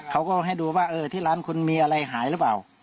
เขาก็ให้ดูว่าเออที่ร้านคุณมีอะไรหายหรือเปล่า